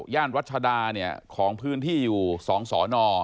ย่านรัชดาของพื้นที่อยู่๒สอนอ